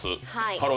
『ハロー！